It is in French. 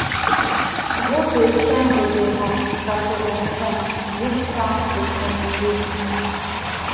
Route de Saint-Révérend, quatre-vingt-cinq, huit cents Le Fenouiller